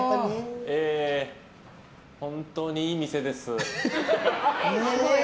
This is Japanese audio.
本当にいい店です。